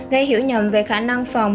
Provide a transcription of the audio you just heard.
gây hiểu nhầm về khả năng phòng